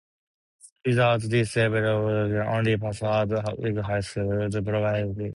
Without this level of protection, only passwords with high complexity would provide sufficient protection.